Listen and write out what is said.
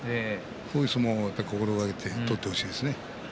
こういう相撲をまた心がけて取ってほしいですね。